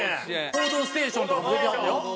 『報道ステーション』とかも出てはったよ。